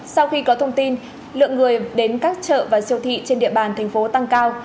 sau khi có thông tin lượng người đến các chợ và siêu thị trên địa bàn thành phố tăng cao